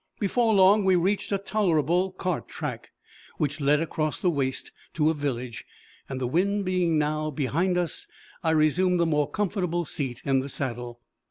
Before long we reached a tolerable cart track, which led across the waste to a village, and the wind being now behind us, I resumed the more comfortable seat in the saddle.